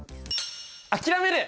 諦める！